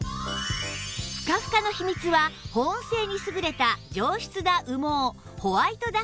ふかふかの秘密は保温性に優れた上質な羽毛ホワイトダックダウン